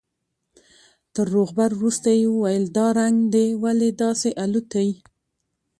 تر روغبړ وروسته يې وويل دا رنگ دې ولې داسې الوتى.